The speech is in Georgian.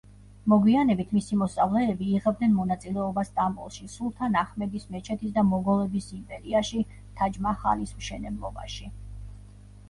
მოგვიანებით მისი მოსწავლეები იღებდნენ მონაწილეობას სტამბოლში სულთან აჰმედის მეჩეთის და მოგოლების იმპერიაში თაჯ-მაჰალის მშენებლობაში.